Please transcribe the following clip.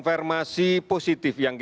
penemuan lebih banyak